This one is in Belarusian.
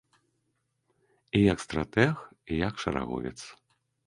І як стратэг, і як шараговец.